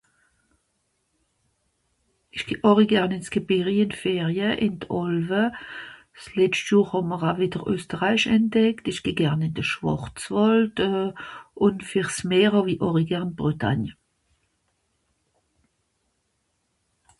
Ìch geh àri gern ìn s'Gebärri ìn d'Ferie ìn d'Àlwe. S'letscht Johr hàà'mr aa wìdder Österreich entdeckt, ìch geh gern ìn de Schwàrzwàld, ùn fer's Meer hàw-i àri gern Bretagne.